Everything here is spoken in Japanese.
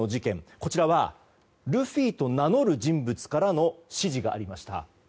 こちらは、ルフィと名乗る人物からの指示がありました。